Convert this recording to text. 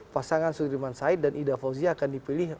pasangan sudirman said dan ida fauzia akan dipilih